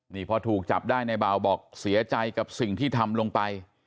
นี่พอถูกจับได้ในเบาบอกเสียใจกับสิ่งที่ทำลงไป